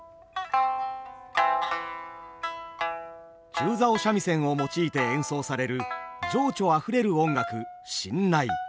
中棹三味線を用いて演奏される情緒あふれる音楽新内。